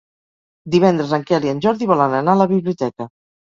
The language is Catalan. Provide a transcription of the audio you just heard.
Divendres en Quel i en Jordi volen anar a la biblioteca.